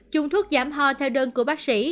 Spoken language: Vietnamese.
dùng thuốc giảm ho theo đơn của bác sĩ